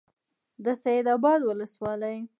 د سید آباد ولسوالۍ